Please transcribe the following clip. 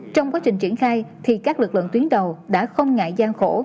trong quá trình triển khai thì các lực lượng tuyến đầu đã không ngại gian khổ